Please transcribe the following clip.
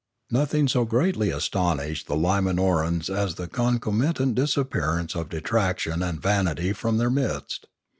Nothing so greatly astonished the Limanorans as the concomitant disappearance of detraction and vanity from their midst.